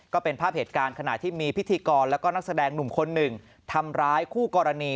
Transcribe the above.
ก็เป็นภาพเหตุการณ์ขณะที่มีพิธีกรแล้วก็นักแสดงหนุ่มคนหนึ่งทำร้ายคู่กรณี